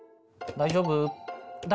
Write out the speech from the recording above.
大丈夫？